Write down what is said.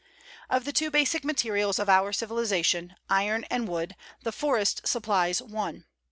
Of the two basic materials of our civilization, iron and wood, the forest supplies one.